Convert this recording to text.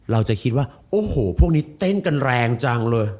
เราจะคิดว่าพวกนี้เต้นดูแรงจังเลย